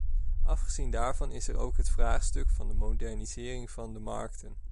Afgezien daarvan is er ook het vraagstuk van de modernisering van de markten.